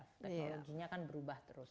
teknologinya kan berubah terus